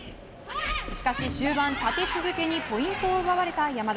しかし終盤、立て続けにポイントを奪われた山田。